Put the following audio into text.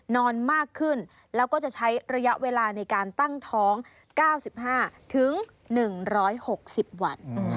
นอนมากขึ้นแล้วก็จะใช้ระยะเวลาในการตั้งท้อง๙๕๑๖๐วัน